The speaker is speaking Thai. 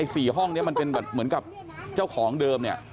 สี่ห้องนี้มันเป็นแบบเหมือนกับเจ้าของเดิมเนี่ย